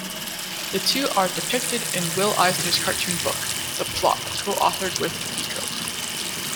The two are depicted in Will Eisner's cartoon book "The Plot", co-authored with Eco.